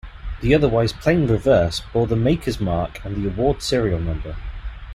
The otherwise plain reverse bore the maker's mark and the award serial number.